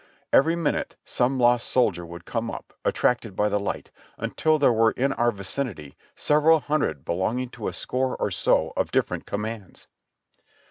Every minute some lost soldier would come up, attracted by the light, until there were in our vicinity several hundred belonging to a score or so of different commands.